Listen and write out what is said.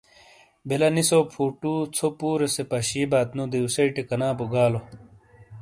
بلہ نیسو فوٹو ژھو پورے سے پشیبات نو دیوسیٹے کنابو گالو۔